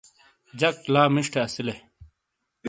جک لا مشٹے اسیلے۔